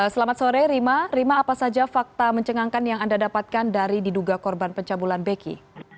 selamat sore rima rima apa saja fakta mencengangkan yang anda dapatkan dari diduga korban pencabulan beki